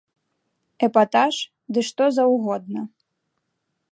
Эпатаж, ды што заўгодна.